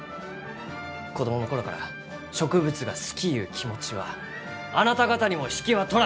子供の頃から植物が好きゆう気持ちはあなた方にも引けは取らん！